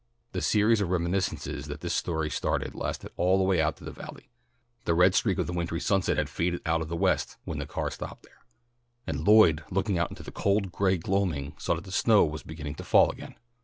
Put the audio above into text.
The series of reminiscences that this story started lasted all the way out to the Valley. The red streak of the wintry sunset had faded out of the west when the car stopped there, and Lloyd looking out into the cold gray gloaming saw that the snow was beginning to fall again.